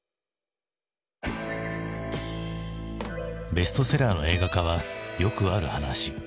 ベストセラーの映画化はよくある話。